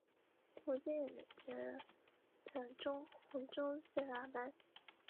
股间有显着的红棕色的大斑。